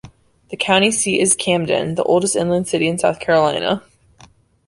The county seat is Camden, the oldest inland city in South Carolina.